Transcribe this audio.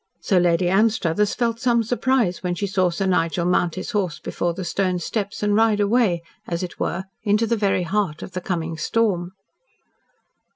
So Lady Anstruthers felt some surprise when she saw Sir Nigel mount his horse before the stone steps and ride away, as it were, into the very heart of the coming storm.